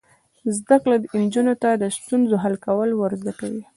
زده کړه نجونو ته د ستونزو حل کول ور زده کوي.